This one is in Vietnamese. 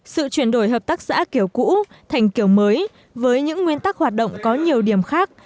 sự chuyển đổi hợp tác xã kiểu cũ thành kiểu mới với những nguyên tắc hoạt động có nhiều điểm khác